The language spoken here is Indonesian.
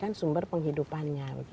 sehingga itu sumber penghidupannya